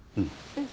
うん。